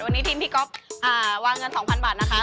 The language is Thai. วันนี้ทีมพี่ก๊อฟวางเงิน๒๐๐บาทนะคะ